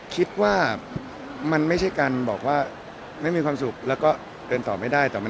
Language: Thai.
คิดว่ามันไม่ใช่การบอกว่าไม่มีความสุขแล้วก็เดินต่อไม่ได้แต่มัน